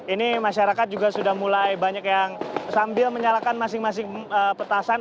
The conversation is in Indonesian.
ini masyarakat juga sudah mulai banyak yang sambil menyalakan masing masing petasan